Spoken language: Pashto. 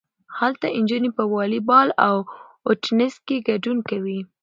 هلته نجونې په والی بال او ټینس کې ګډون کوي.